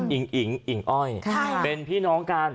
อิ่งอิ๋งอิ่งอ้อยเป็นพี่น้องกัน